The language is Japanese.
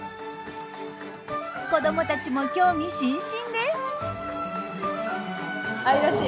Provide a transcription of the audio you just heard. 子どもたちも興味津々です。